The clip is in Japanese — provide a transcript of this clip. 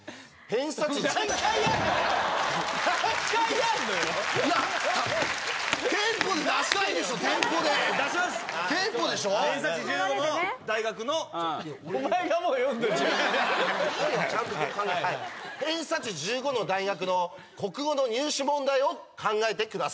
偏差値１５の大学の国語の入試問題を考えてください。